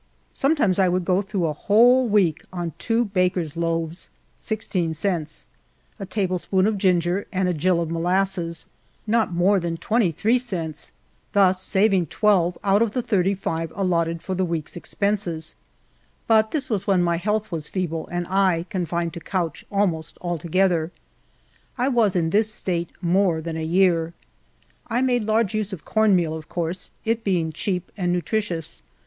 Sometimes I would go through a whole week on two baker's loaves — sixteen cents; a tablespoonful of ginger, and gill of molasses — not more than twenty three cents, thus HALF A DIME A DAY. 1 7 saving twelve out of the thirty five aHotted for the week's expenses. But tliis was wlien my health was feeble, and I confined to couch almost altogether. I was in this state more than a year. I made large use of cornmeal, of course it being cheap and nutritious.